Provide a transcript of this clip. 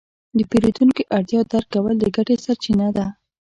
د پیرودونکي اړتیا درک کول د ګټې سرچینه ده.